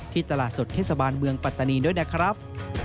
ตลาดสดเทศบาลเมืองปัตตานีด้วยนะครับ